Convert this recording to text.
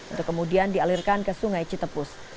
untuk kemudian dialirkan ke sungai citepus